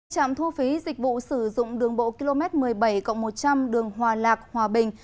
trạm thu phí dịch vụ sử dụng đường bộ km một mươi bảy một trăm linh đường hòa lạc hòa bình